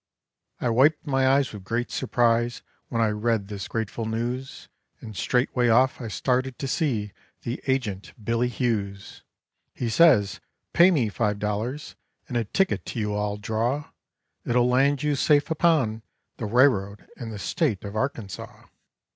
I wiped my eyes with great surprise when I read this grateful news, And straightway off I started to see the agent, Billy Hughes. He says, "Pay me five dollars and a ticket to you I'll draw, It'll land you safe upon the railroad in the State of Arkansaw."